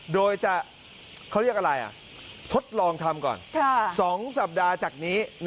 โดยจะทดลองทำก่อน๒สัปดาห์จากนี้